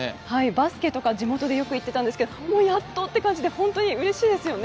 バスケとか地元でよく行ってたんですけどもうやっとという感じで本当に選手たちもうれしいですよね。